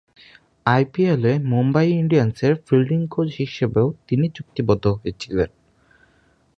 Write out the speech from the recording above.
আইপিএলে মুম্বই ইন্ডিয়ান্সের fielding coach হিসেবেও তিনি চুক্তিবদ্ধ হয়েছিলেন।